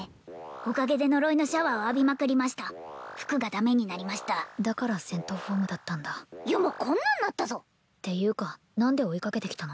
おかげで呪いのシャワーを浴びまくりました服がダメになりましただから戦闘フォームだったんだ余もこんなんなったぞていうか何で追いかけてきたの？